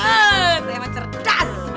saya mah cerdas